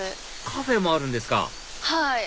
カフェもあるんですかはい。